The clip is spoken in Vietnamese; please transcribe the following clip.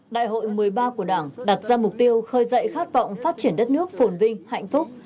đại hội một mươi ba của đảng đặt ra mục tiêu khơi dậy khát vọng phát triển đất nước phồn vinh hạnh phúc